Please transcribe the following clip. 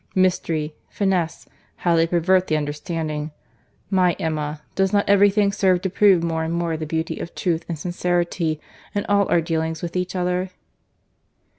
—Mystery; Finesse—how they pervert the understanding! My Emma, does not every thing serve to prove more and more the beauty of truth and sincerity in all our dealings with each other?"